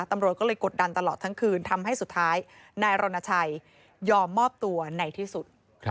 ตำรวจก็เลยกดดันตลอดทั้งคืนทำให้สุดท้ายนายรณชัยยอมมอบตัวในที่สุด